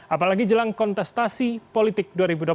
apalagi jelang kontestasi politik dua ribu dua puluh empat